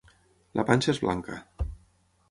La panxa és blanca.